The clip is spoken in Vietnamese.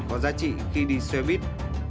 có giá trị khi đi xe buýt